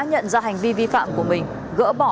nhận ra hành vi vi phạm của mình gỡ bỏ